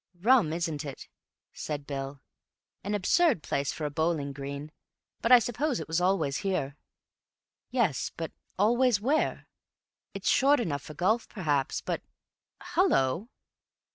"Rum, isn't it?" said Bill. "An absurd place for a bowling green, but I suppose it was always here." "Yes, but always where? It's short enough for golf, perhaps, but—Hallo!"